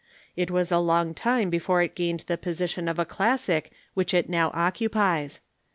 It was a long time before it gained the position of a classic which it now occupies.